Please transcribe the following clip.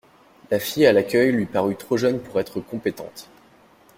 La fille à l’accueil lui parut trop jeune pour être compétente.